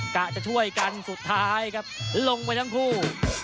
กะจะช่วยกันสุดท้ายครับลงไปทั้งคู่